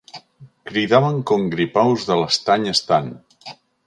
Cridaven com gripaus de l'estany estant.